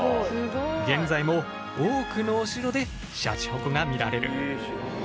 現在も多くのお城でシャチホコが見られる。